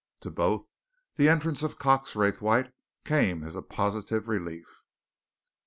To both, the entrance of Cox Raythwaite came as a positive relief.